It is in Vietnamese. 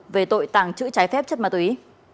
về tội tàng trữ trái phép chất ma túy